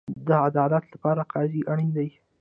د عدالت لپاره قاضي اړین دی